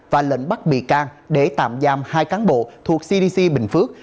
và lệnh bắt bị can để tạm giam hai cán bộ thuộc cdc bình phước